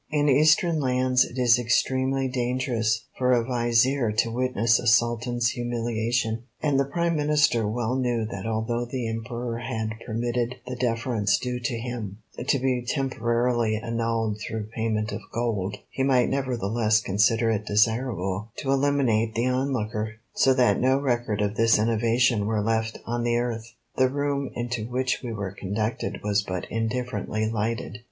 In Eastern lands it is extremely dangerous for a Vizier to witness a Sultan's humiliation, and the Prime Minister well knew that although the Emperor had permitted the deference due to him to be temporarily annulled through payment of gold, he might nevertheless consider it desirable to eliminate the onlooker, so that no record of this innovation were left on the earth. The room into which we were conducted was but indifferently lighted.